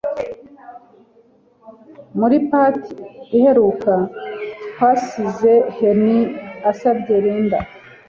Muri part iheruka twasize Henry asabye Linda